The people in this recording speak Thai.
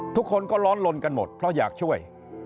ทุกคนก็ร้อนลนกันหมดเพราะอยากช่วย